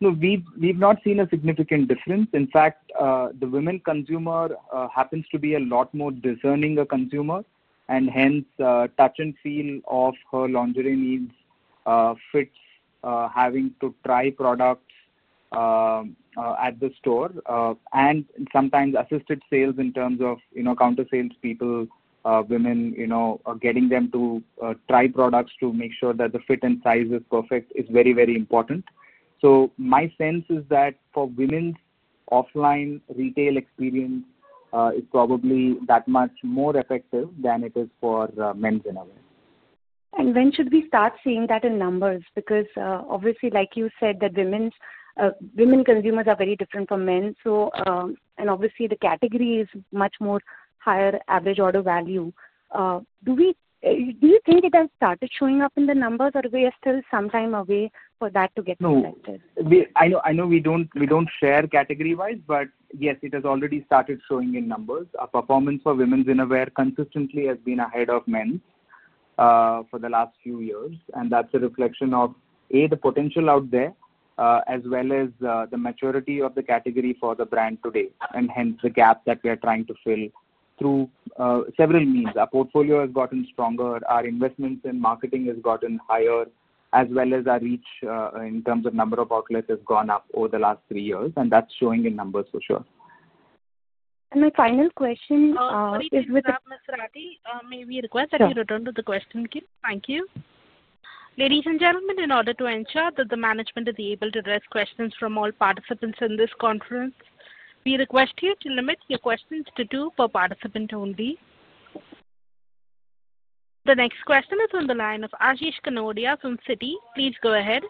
No, we've not seen a significant difference. In fact, the women consumer happens to be a lot more discerning consumer, and hence, touch and feel of her lingerie needs, fits, having to try products at the store. Sometimes assisted sales in terms of counter salespeople, women getting them to try products to make sure that the fit and size is perfect, is very, very important. My sense is that for women's offline retail experience, it's probably that much more effective than it is for men's innerwear. When should we start seeing that in numbers? Because obviously, like you said, women consumers are very different from men. Obviously, the category is much higher average order value. Do you think it has started showing up in the numbers, or are we still some time away for that to get reflected? No. I know we do not share category-wise, but yes, it has already started showing in numbers. Our performance for women's innerwear consistently has been ahead of men's for the last few years. That is a reflection of, A, the potential out there, as well as the maturity of the category for the brand today, and hence the gap that we are trying to fill through several means. Our portfolio has gotten stronger. Our investments in marketing have gotten higher, as well as our reach in terms of number of outlets has gone up over the last three years. That is showing in numbers for sure. My final question is with. Sorry, Ms. Rathi. May we request that you return to the question queue? Thank you. Ladies and gentlemen, in order to ensure that the management is able to address questions from all participants in this conference, we request you to limit your questions to two per participant only. The next question is on the line of Ashish Kanodia from Citi. Please go ahead.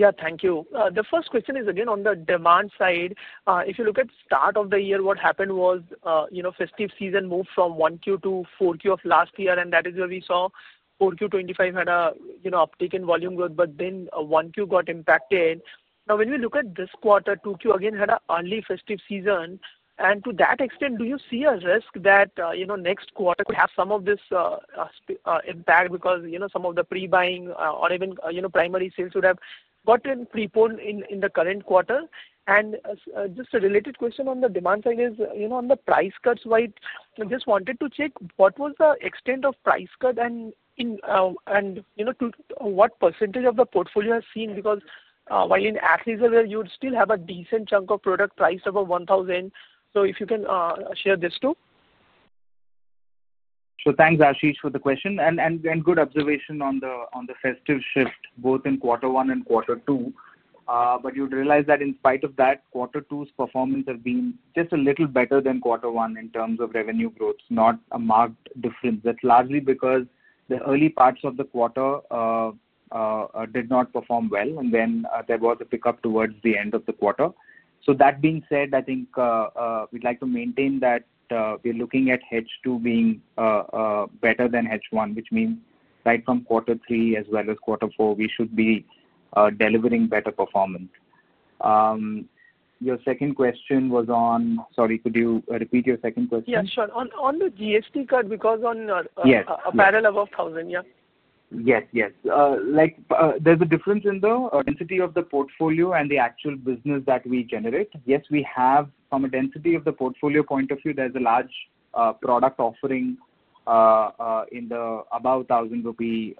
Yeah. Thank you. The first question is again on the demand side. If you look at the start of the year, what happened was festive season moved from 1Q to 4Q of last year, and that is where we saw 4Q 2025 had a uptick in volume growth, but then 1Q got impacted. Now, when we look at this quarter, 2Q again had an early festive season. To that extent, do you see a risk that next quarter could have some of this impact because some of the pre-buying or even primary sales would have gotten pre-polled in the current quarter? A related question on the demand side is on the price cuts side, I just wanted to check what was the extent of price cut and to what percentage of the portfolio has seen? Because while in athleisure, you would still have a decent chunk of product priced above 1,000. If you can share this too. Thank you, Ashish, for the question. Good observation on the festive shift, both in quarter one and quarter two. You would realize that in spite of that, quarter two's performance has been just a little better than quarter one in terms of revenue growth, not a marked difference. That is largely because the early parts of the quarter did not perform well, and then there was a pickup towards the end of the quarter. That being said, I think we would like to maintain that we are looking at H2 being better than H1, which means right from quarter three as well as quarter four, we should be delivering better performance. Your second question was on—sorry, could you repeat your second question? Yeah, sure. On the GST cut, because on. Yes. Apparel above 1,000, yeah. Yes, yes. There's a difference in the density of the portfolio and the actual business that we generate. Yes, we have, from a density of the portfolio point of view, there's a large product offering in the above 1,000 rupee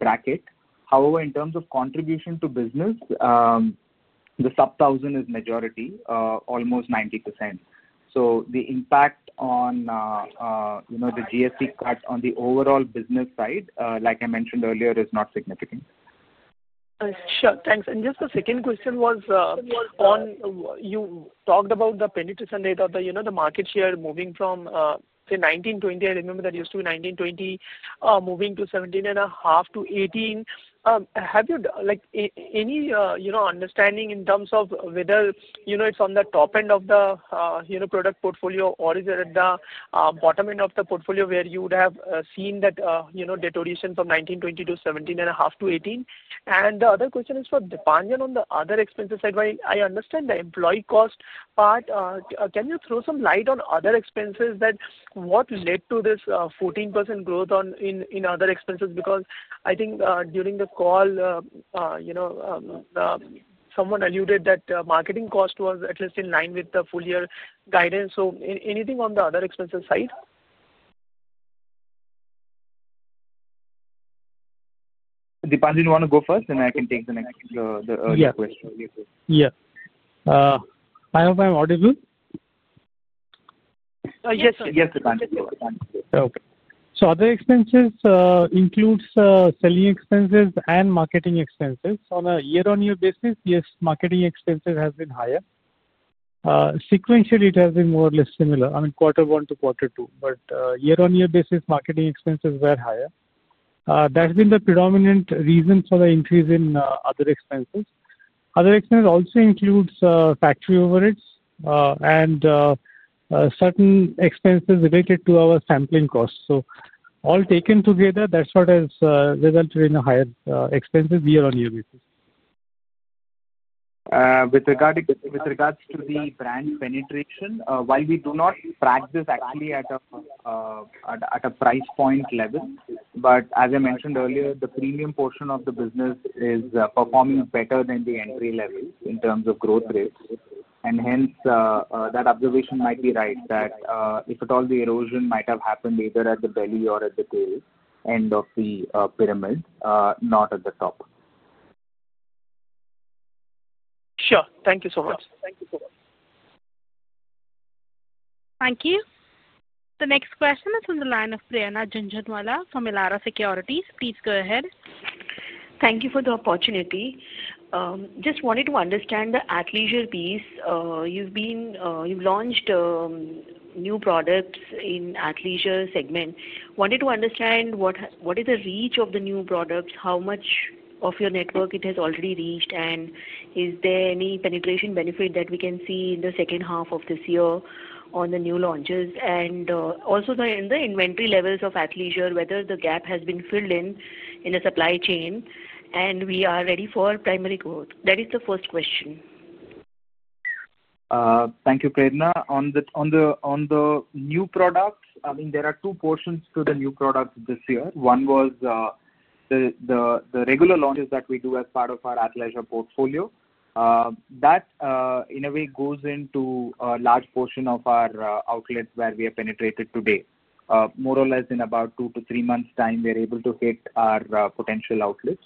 bracket. However, in terms of contribution to business, the sub 1,000 is majority, almost 90%. The impact on the GST cut on the overall business side, like I mentioned earlier, is not significant. Sure. Thanks. Just the second question was on you talked about the penetration data, the market share moving from, say, 2019-2020. I remember that used to be 19-20, moving to 17.5-18. Have you any understanding in terms of whether it is on the top end of the product portfolio, or is it at the bottom end of the portfolio where you would have seen that deterioration from 19-20 to 17.5-18? The other question is for Deepanjan on the other expenses side. I understand the employee cost part. Can you throw some light on other expenses, what led to this 14% growth in other expenses? I think during the call, someone alluded that marketing cost was at least in line with the full-year guidance. Anything on the other expenses side? Deepanjan, you want to go first? And I can take the next question. Yeah. I have my audible? Yes, sir. Yes, Deepanjan. Okay. Other expenses include selling expenses and marketing expenses. On a year-on-year basis, yes, marketing expenses have been higher. Sequentially, it has been more or less similar, I mean, quarter one to quarter two. Year-on-year basis, marketing expenses were higher. That has been the predominant reason for the increase in other expenses. Other expenses also include factory overheads and certain expenses related to our sampling costs. All taken together, that is what has resulted in the higher expenses year-on-year basis. With regards to the brand penetration, while we do not track this actually at a price point level, as I mentioned earlier, the premium portion of the business is performing better than the entry level in terms of growth rates. Hence, that observation might be right that if at all, the erosion might have happened either at the belly or at the tail end of the pyramid, not at the top. Sure. Thank you so much. Thank you so much. Thank you. The next question is on the line of Prerna Jhunjhunwala from Elara Securities. Please go ahead. Thank you for the opportunity. Just wanted to understand the athleisure piece. You've launched new products in the athleisure segment. Wanted to understand what is the reach of the new products, how much of your network it has already reached, is there any penetration benefit that we can see in the second half of this year on the new launches? Also, in the inventory levels of athleisure, whether the gap has been filled in in the supply chain, and we are ready for primary growth. That is the first question. Thank you, Prerna. On the new products, I mean, there are two portions to the new products this year. One was the regular launches that we do as part of our athleisure portfolio. That, in a way, goes into a large portion of our outlets where we have penetrated today. More or less in about two to three months' time, we are able to hit our potential outlets.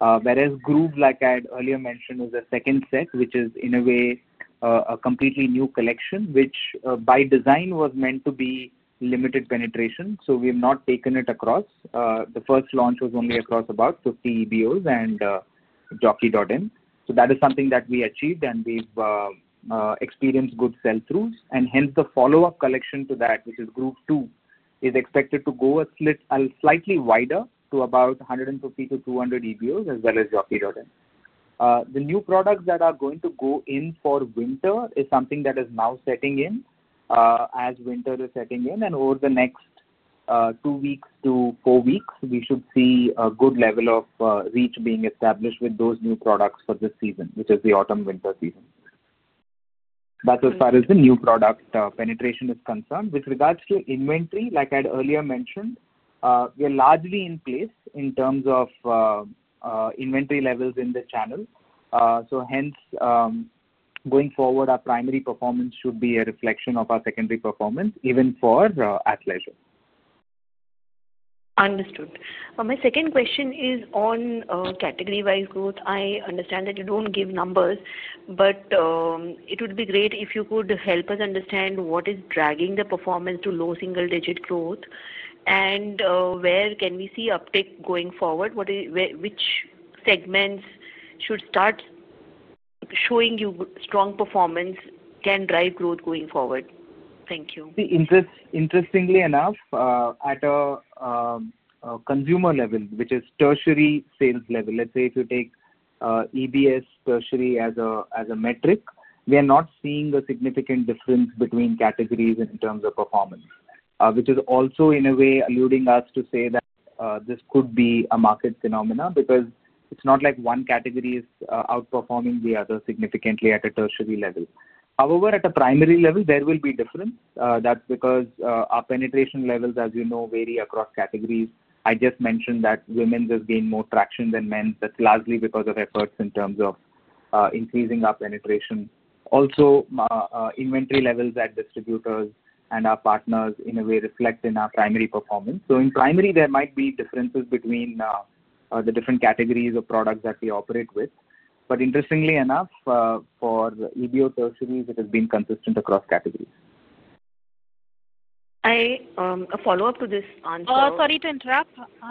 Whereas Groove, like I had earlier mentioned, is a second set, which is, in a way, a completely new collection, which by design was meant to be limited penetration. We have not taken it across. The first launch was only across about 50 EBOs and Jockey Jordan. That is something that we achieved, and we have experienced good sell-throughs. Hence, the follow-up collection to that, which is Groove 2, is expected to go slightly wider to about 150-200 EBOs as well as Jockey Jordan. The new products that are going to go in for winter is something that is now setting in as winter is setting in. Over the next two weeks to four weeks, we should see a good level of reach being established with those new products for this season, which is the autumn-winter season. That is as far as the new product penetration is concerned. With regards to inventory, like I had earlier mentioned, we are largely in place in terms of inventory levels in the channel. Hence, going forward, our primary performance should be a reflection of our secondary performance, even for athleisure. Understood. My second question is on category-wise growth. I understand that you don't give numbers, but it would be great if you could help us understand what is dragging the performance to low single-digit growth, and where can we see uptick going forward? Which segments should start showing you strong performance can drive growth going forward? Thank you. Interestingly enough, at a consumer level, which is tertiary sales level, let's say if you take EBS tertiary as a metric, we are not seeing a significant difference between categories in terms of performance, which is also in a way alluding us to say that this could be a market phenomena because it's not like one category is outperforming the other significantly at a tertiary level. However, at a primary level, there will be difference. That's because our penetration levels, as you know, vary across categories. I just mentioned that women just gain more traction than men. That's largely because of efforts in terms of increasing our penetration. Also, inventory levels at distributors and our partners in a way reflect in our primary performance. In primary, there might be differences between the different categories of products that we operate with. Interestingly enough, for EBO tertiaries, it has been consistent across categories. A follow-up to this answer. Oh, sorry to interrupt.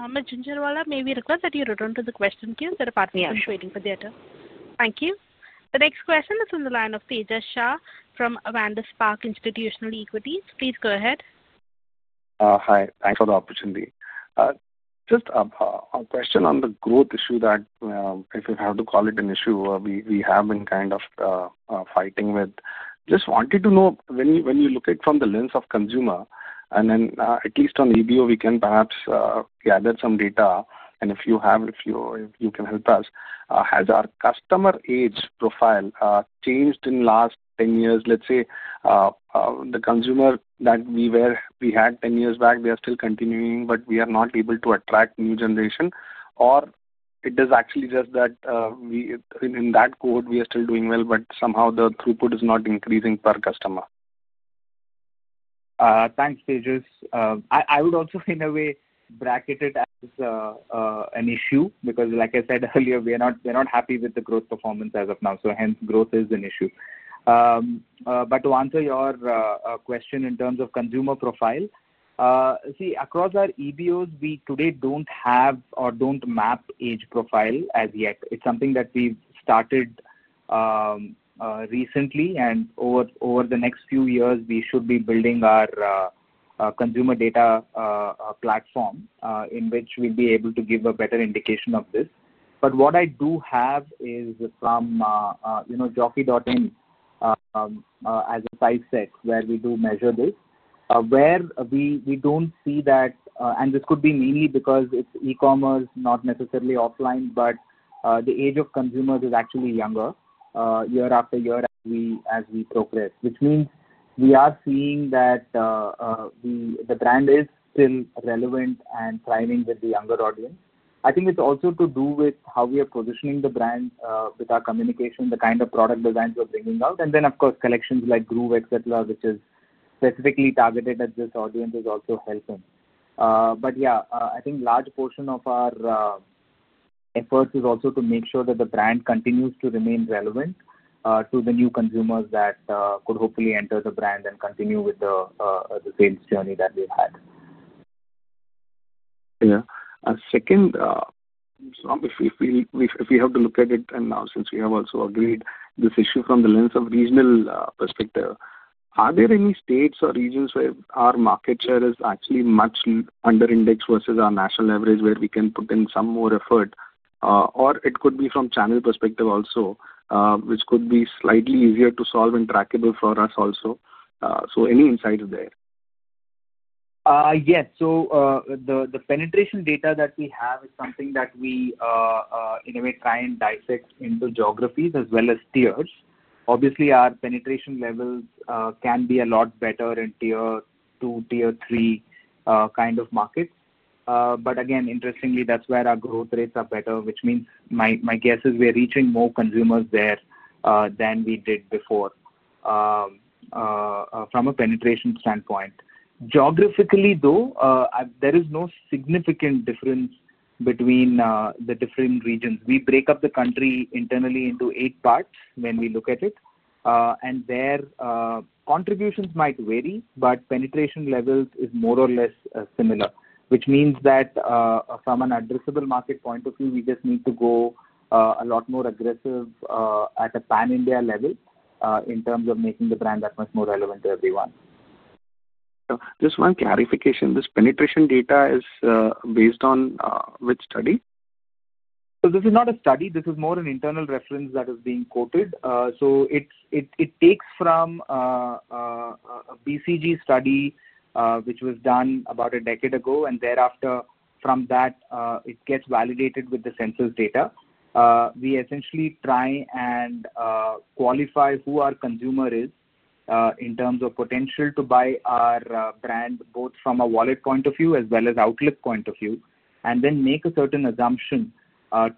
Ms. Jhunjhunwala, may we request that you return to the question queue? The department is just waiting for the other. Yes. Thank you. The next question is on the line of Tejas Shah from Avendus Spark Institutional Equities. Please go ahead. Hi. Thanks for the opportunity. Just a question on the growth issue that, if you have to call it an issue, we have been kind of fighting with. Just wanted to know, when you look at it from the lens of consumer, and then at least on EBO, we can perhaps gather some data, and if you can help us, has our customer age profile changed in the last 10 years? Let's say the consumer that we had 10 years back, they are still continuing, but we are not able to attract new generation. Or it is actually just that in that cohort, we are still doing well, but somehow the throughput is not increasing per customer. Thanks, Tejas. I would also in a way bracket it as an issue because, like I said earlier, we are not happy with the growth performance as of now. Hence, growth is an issue. To answer your question in terms of consumer profile, see, across our EBOs, we today do not have or do not map age profile as yet. It is something that we have started recently, and over the next few years, we should be building our consumer data platform in which we will be able to give a better indication of this. What I do have is from Jockey Dotten, as a size set where we do measure this, where we do not see that, and this could be mainly because it is e-commerce, not necessarily offline, but the age of consumers is actually younger year after year as we progress, which means we are seeing that the brand is still relevant and thriving with the younger audience. I think it is also to do with how we are positioning the brand with our communication, the kind of product designs we are bringing out. Of course, collections like Groove, etc., which is specifically targeted at this audience, is also helping. Yeah, I think a large portion of our efforts is also to make sure that the brand continues to remain relevant to the new consumers that could hopefully enter the brand and continue with the sales journey that we have had. Yeah. A second, if we have to look at it, and now since we have also agreed this issue from the lens of regional perspective, are there any states or regions where our market share is actually much under-indexed versus our national average where we can put in some more effort? It could be from channel perspective also, which could be slightly easier to solve and trackable for us also. Any insights there? Yes. The penetration data that we have is something that we in a way try and dissect into geographies as well as tiers. Obviously, our penetration levels can be a lot better in tier two, tier three kind of markets. Again, interestingly, that's where our growth rates are better, which means my guess is we're reaching more consumers there than we did before from a penetration standpoint. Geographically, though, there is no significant difference between the different regions. We break up the country internally into eight parts when we look at it. Their contributions might vary, but penetration level is more or less similar, which means that from an addressable market point of view, we just need to go a lot more aggressive at a pan-India level in terms of making the brand that much more relevant to everyone. Just one clarification. This penetration data is based on which study? This is not a study. This is more an internal reference that is being quoted. It takes from a BCG study, which was done about a decade ago, and thereafter, from that, it gets validated with the census data. We essentially try and qualify who our consumer is in terms of potential to buy our brand, both from a wallet point of view as well as outlet point of view, and then make a certain assumption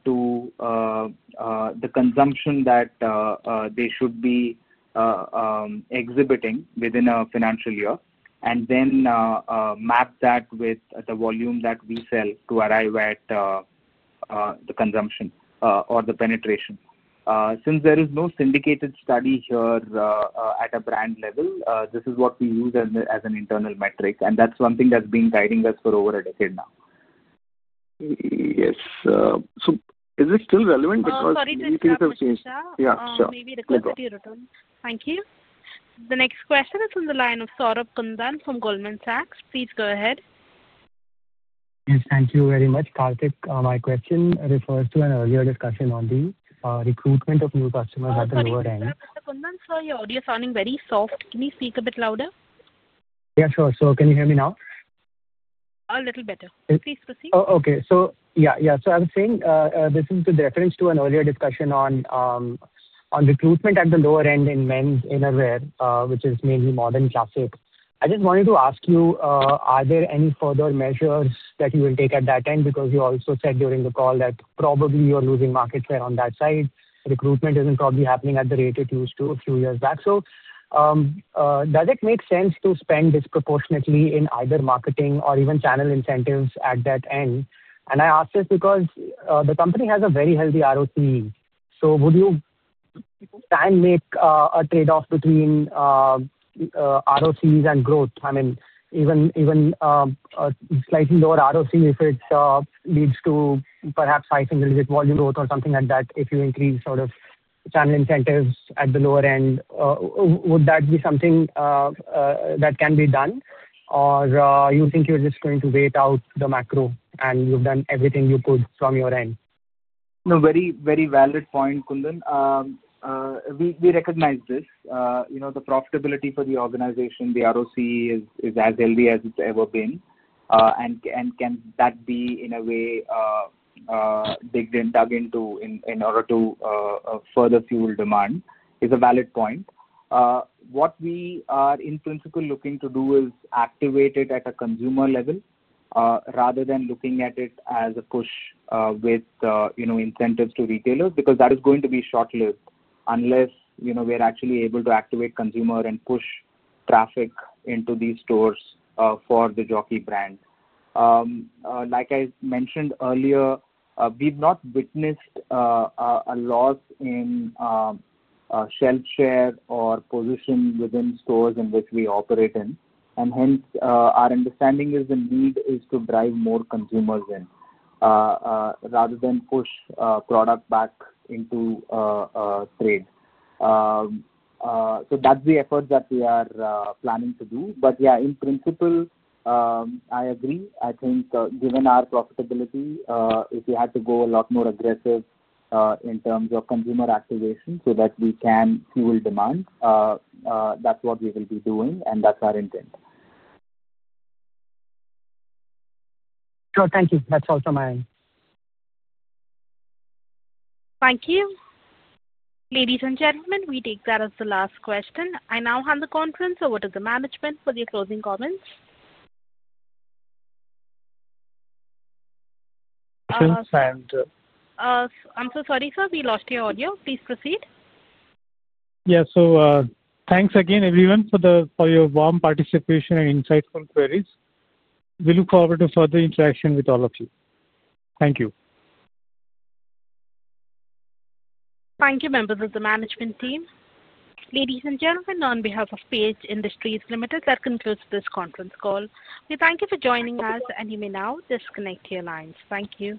to the consumption that they should be exhibiting within a financial year, and then map that with the volume that we sell to arrive at the consumption or the penetration. Since there is no syndicated study here at a brand level, this is what we use as an internal metric, and that's something that's been guiding us for over a decade now. Yes. Is it still relevant because we think it has changed? Sorry, Tejas. Yeah, sure. Maybe the question that you returned. Thank you. The next question is on the line of Saurabh Kundan from Goldman Sachs. Please go ahead. Yes, thank you very much, Karthik. My question refers to an earlier discussion on the recruitment of new customers at the lower end. Saurabh Kundan, sorry, your audio is sounding very soft. Can you speak a bit louder? Yeah, sure. Can you hear me now? A little better. Please proceed. Oh, okay. Yeah, yeah. I was saying this is with reference to an earlier discussion on recruitment at the lower end in men, in a way, which is mainly modern classic. I just wanted to ask you, are there any further measures that you will take at that end? Because you also said during the call that probably you're losing market share on that side. Recruitment isn't probably happening at the rate it used to a few years back. Does it make sense to spend disproportionately in either marketing or even channel incentives at that end? I ask this because the company has a very healthy ROC. Would you plan to make a trade-off between ROCs and growth? I mean, even a slightly lower ROC, if it leads to perhaps hiking a little bit volume growth or something like that, if you increase sort of channel incentives at the lower end, would that be something that can be done? You think you're just going to wait out the macro and you've done everything you could from your end? No, very valid point, Kundan. We recognize this. The profitability for the organization, the ROC is as healthy as it's ever been. Can that be in a way digged and dug into in order to further fuel demand? It's a valid point. What we are in principle looking to do is activate it at a consumer level rather than looking at it as a push with incentives to retailers because that is going to be short-lived unless we are actually able to activate consumer and push traffic into these stores for the Jockey brand. Like I mentioned earlier, we've not witnessed a loss in shelf share or position within stores in which we operate in. Hence, our understanding is the need is to drive more consumers in rather than push product back into trade. That's the effort that we are planning to do. Yeah, in principle, I agree. I think given our profitability, if we had to go a lot more aggressive in terms of consumer activation so that we can fuel demand, that's what we will be doing, and that's our intent. Sure. Thank you. That's also my end. Thank you. Ladies and gentlemen, we take that as the last question. I now hand the conference over to the management for their closing comments. Thanks. I'm so sorry, sir. We lost your audio. Please proceed. Yeah. Thanks again, everyone, for your warm participation and insightful queries. We look forward to further interaction with all of you. Thank you. Thank you, members of the management team. Ladies and gentlemen, on behalf of Page Industries Limited, that concludes this conference call. We thank you for joining us, and you may now disconnect your lines. Thank you.